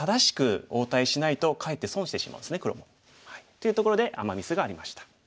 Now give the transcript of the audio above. いうところでアマ・ミスがありました。